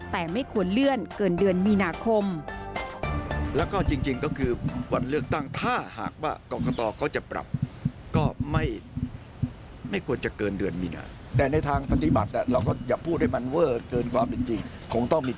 แต่ไม่ควรเลื่อนเกินเดือนมีนาคม